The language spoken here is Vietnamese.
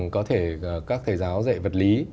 có thể các thầy giáo dạy vật lý